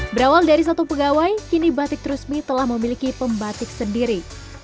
berawal dari satu pegawai kini batik trusmi telah memiliki pembatik sendiri